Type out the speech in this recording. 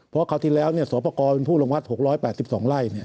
เพราะคราวที่แล้วเนี่ยสวปกรเป็นผู้ดังวัด๖๘๒ไร่เนี่ย